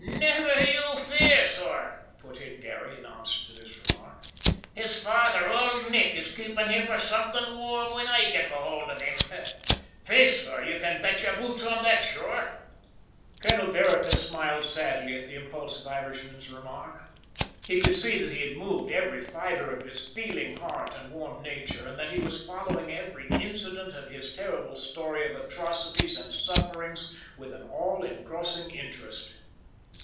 "Niver you fear, sor," put in Garry, in answer to this remark. "His father, ould Nick, is keepin' him for somethin' warm whin I git hould of him. Faith, sor, you can bet your boots on that, sure!" Colonel Vereker smiled sadly at the impulsive Irishman's remark. He could see that he had moved every fibre of his feeling heart and warm nature and that he was following every incident of his terrible story of atrocities and sufferings with an all engrossing interest.